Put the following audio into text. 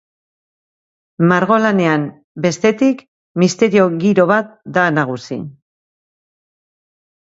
Margolanean, bestetik, misterio giro bat da nagusi.